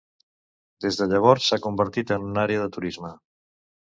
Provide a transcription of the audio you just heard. Des de llavors s'ha convertit en una àrea de turisme.